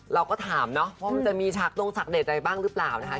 เราก็ถามเนาะว่ามันจะมีฉากดงฉากเด็ดอะไรบ้างหรือเปล่านะคะ